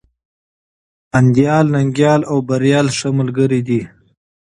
انديال، ننگيال او بريال ښه ملگري دي.